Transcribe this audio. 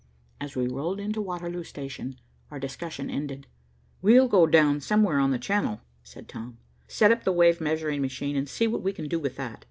As we rolled into Waterloo station, our discussion ended. "We'll go down somewhere on the Channel," said Tom, "set up the wave measuring machine, and see what we can do with that.